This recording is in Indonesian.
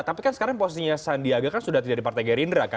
tapi kan sekarang posisinya sandiaga kan sudah tidak di partai gerindra kan